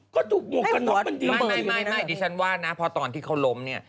ก็ถูกหมวกกันน็อกมันดีไม่ไม่ดิฉันว่านะพอตอนที่เขาล้มเนี่ย